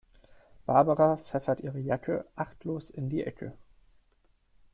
Barbara pfeffert ihre Jacke achtlos in die Ecke.